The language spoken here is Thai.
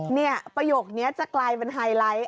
ประโยคนี้จะกลายเป็นไฮไลท์